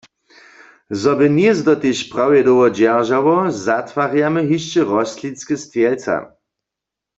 Zo by hnězdo tež prawje dołho dźeržało, zatwarjamy hišće rostlinske stwjelca.